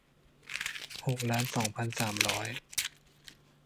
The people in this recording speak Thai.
หกล้านสองพันสามร้อย